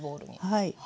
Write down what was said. はい。